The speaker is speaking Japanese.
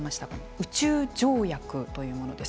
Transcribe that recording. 宇宙条約というものです。